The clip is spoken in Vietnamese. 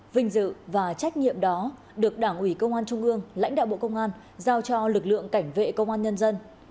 vinh dự và trách nhiệm đó được đảng ủy công an trung ương lãnh đạo bộ công an giao cho lực lượng cảnh vệ công an nhân dân